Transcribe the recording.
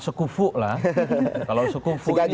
sekufu lah kalau sekufu ini sudah diatas sekutu ataupun segajah